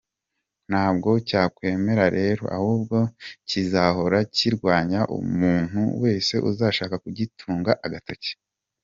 Ntabwo cyakwemera rero, ahubwo kizahora kirwanya umuntu wese uzashaka kugitunga agatoki.